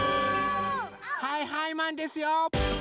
はいはいマンですよ！